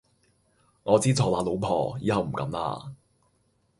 我知錯喇老婆，以後唔敢喇